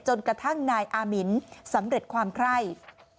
จนกระทั่งนายอามินสำเร็จความไคร่